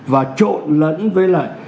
và trộn lẫn với lại